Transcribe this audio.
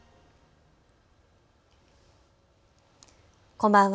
こんばんは。